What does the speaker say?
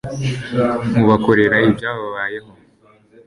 mubakorera ibyababayeho